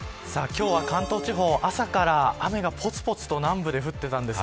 今日は関東地方は朝から雨がぽつぽつと南部で降っていました。